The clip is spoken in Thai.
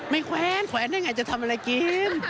ไม่แขวนแขวนเป็นไงจะทำอะไรกิน